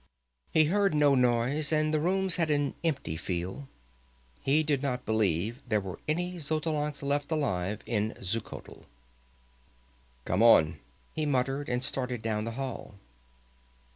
He heard no noise, and the rooms had an empty feel. He did not believe there were any Xotalancas left alive in Xuchotl. "Come on," he muttered, and started down the hall.